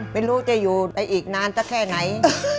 ไม่รู้จะอยู่ได้อีกนานสักแค่ไหน